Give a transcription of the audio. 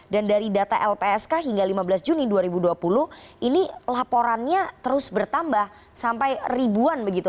dan dari data lpsk hingga lima belas juni dua ribu dua puluh ini laporannya terus bertambah sampai ribuan begitu